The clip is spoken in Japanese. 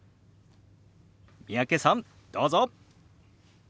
三宅さんどうぞ。